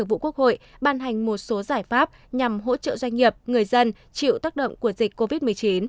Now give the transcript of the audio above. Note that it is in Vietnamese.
và đã bàn hành một số giải pháp nhằm hỗ trợ doanh nghiệp người dân chịu tác động của dịch covid